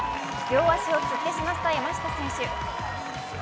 両足をつってしまった山下選手。